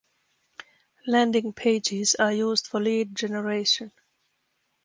Landing pages are used for lead generation.